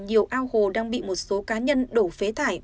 nhiều ao hồ đang bị một số cá nhân đổ phế thải